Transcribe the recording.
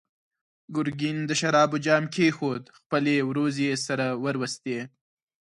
ګرګين د شرابو جام کېښود، خپلې وروځې يې سره وروستې.